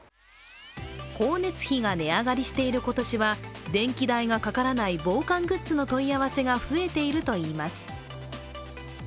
光熱費が値上がりしている今年は電気代がかからない防寒グッズの問い合わせが増えているといいます。